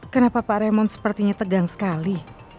kenapa pak remon sepertinya tegang sekali